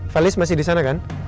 falis masih di sana kan